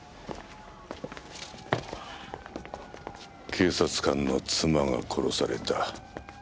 警察官の妻が殺された。